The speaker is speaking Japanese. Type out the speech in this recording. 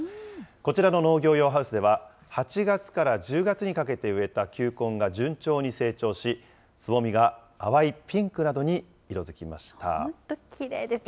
こちらの農業用ハウスでは、８月から１０月にかけて植えた球根が順調に成長し、つぼみが淡い本当、きれいですね。